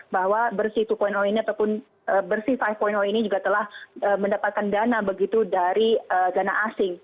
bahwa bersih dua ini ataupun bersih lima ini juga telah mendapatkan dana begitu dari dana asing